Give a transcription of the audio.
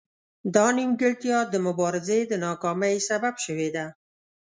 دا نیمګړتیا د مبارزې د ناکامۍ سبب شوې ده